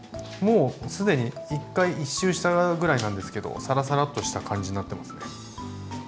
もう既に１回１周したぐらいなんですけどサラサラッとした感じになってますね。